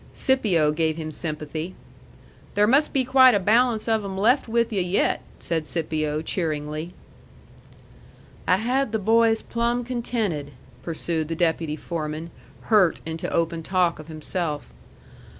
Scipio gave him sympathy. "There must be quite a balance of 'em left with yu' yet," said Scipio, cheeringly. "I had the boys plumb contented," pursued the deputy foreman, hurt into open talk of himself.